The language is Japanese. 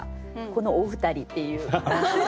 このお二人っていう。